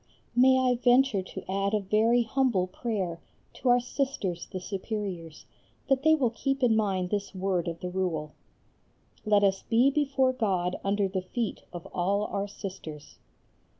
May I venture to add a very humble prayer to our Sisters the Superiors, that they will keep in mind this word of the Rule: "Let us be before God under the feet of all our Sisters"?